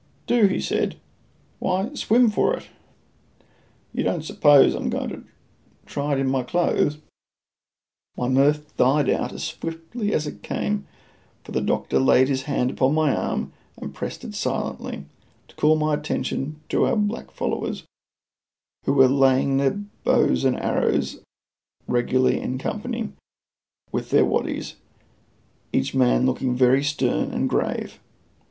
"Do!" he said. "Why, swim for it. You don't suppose I'm going to try in my clothes?" My mirth died out as swiftly as it came, for the doctor laid his hand upon my arm and pressed it silently, to call my attention to our black followers, who were laying their bows and arrows regularly in company with their waddies, each man looking very stern and grave.